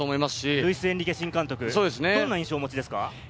ルイス・エンリケ新監督、どんな印象をお持ちですか？